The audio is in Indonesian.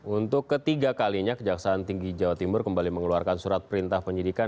untuk ketiga kalinya kejaksaan tinggi jawa timur kembali mengeluarkan surat perintah penyidikan